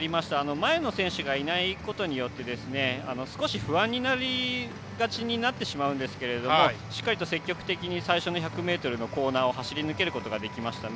前の選手がいないことによって少し不安になりがちになってしまうんですけれどもしっかりと積極的に最初の１００ｍのコーナーを走り抜けることができましたね。